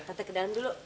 tante ke dalam dulu